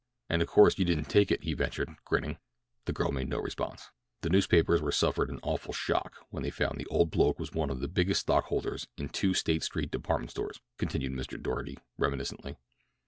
"An', of course, you didn't take it," he ventured, grinning. The girl made no response. "The newspapers sure suffered an awful shock when they found the old bloke was one of the biggest stockholders in two State Street department stores," continued Mr. Doarty reminiscently.